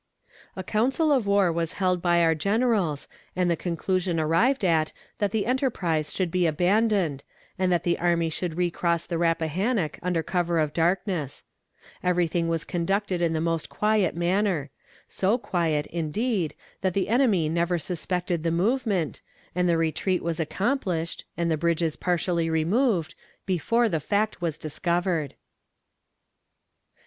A council of war was held by our generals, and the conclusion arrived at that the enterprise should be abandoned, and that the army should recross the Rappahannock under cover of darkness. Everything was conducted in the most quiet manner; so quiet, indeed, that the enemy never suspected the movement, and the retreat was accomplished, and the bridges partially removed, before the fact was discovered.